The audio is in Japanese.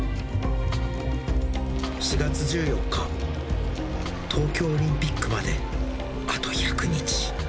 ４月１４日、東京オリンピックまで、あと１００日。